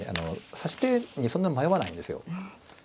指し手にそんなに迷わないんですよ。